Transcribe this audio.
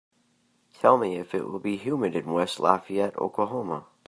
Tell me if it will be humid in West Lafayette, Oklahoma